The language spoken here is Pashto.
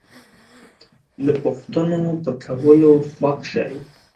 د پوښتنو په کولو خوښ شئ